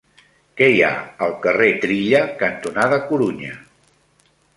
Què hi ha al carrer Trilla cantonada Corunya?